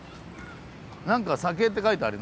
何か「酒」って書いてあるな。